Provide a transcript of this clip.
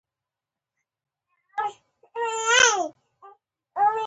له خپل واک څخه یې اقتصادي چارې تنظیم کړې